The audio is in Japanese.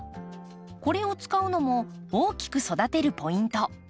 これを使うのも大きく育てるポイント。